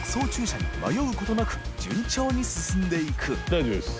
大丈夫です